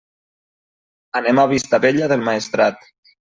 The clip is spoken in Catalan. Anem a Vistabella del Maestrat.